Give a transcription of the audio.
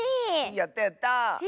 やったやった！